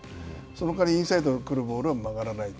そのかわりインサイドに来るボールは曲がらない。